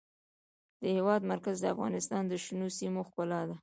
د هېواد مرکز د افغانستان د شنو سیمو ښکلا ده.